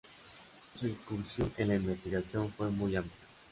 Su incursión en la investigación fue muy amplia.